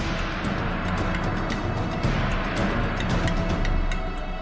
มค